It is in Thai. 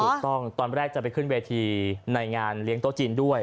ถูกต้องตอนแรกจะไปขึ้นเวทีในงานเลี้ยงโต๊ะจีนด้วย